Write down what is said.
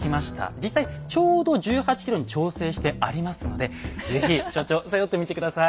実際ちょうど１８ｋｇに調整してありますので是非所長背負ってみて下さい。